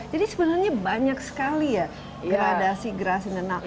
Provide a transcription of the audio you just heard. jadi sebenarnya banyak sekali ya gradasi grasi